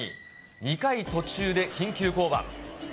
２回途中で緊急降板。